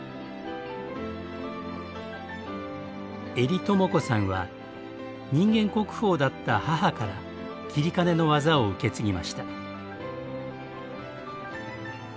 江里朋子さんは人間国宝だった母から截金の技を受け継ぎました。